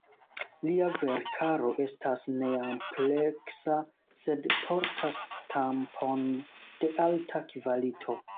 Lia verkaro estas neampleksa, sed portas stampon de alta kvalito.